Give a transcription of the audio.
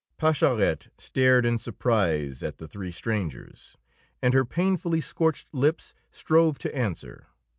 Pascherette stared in surprise at the three strangers, and her painfully scorched lips strove to answer.